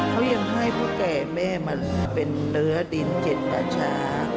เขายังให้พ่อแก่แม่มันเป็นเนื้อดินเจ็ดกัญชา